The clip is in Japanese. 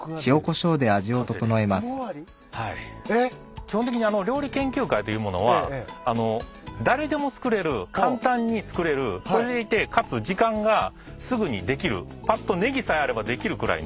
基本的に料理研究会というものは誰でも作れる簡単に作れるそれでいてかつ時間がすぐにできるぱっとネギさえあればできるくらいの。